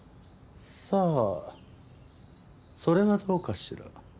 さあそれはどうかしら。